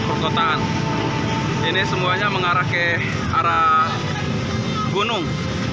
perkotaan ini semuanya mengarah ke arah gunung